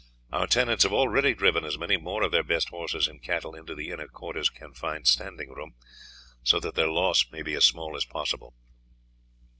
The tenants have already driven as many more of their best horses and cattle into the inner court as can find standing room, so that their loss may be as small as possible.